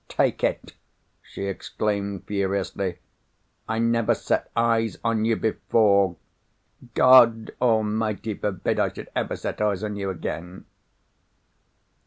"Take it!" she exclaimed furiously. "I never set eyes on you before. God Almighty forbid I should ever set eyes on you again."